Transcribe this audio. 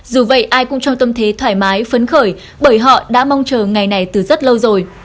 dù vậy ai cũng trong tâm thế thoải mái phấn khởi bởi họ đã mong chờ ngày này từ rất lâu rồi